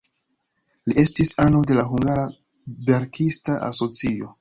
Li estis ano de la hungara verkista asocio.